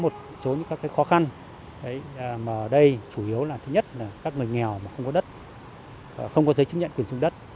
chủ yếu là các người nghèo không có đất không có giấy chứng nhận quyền dùng đất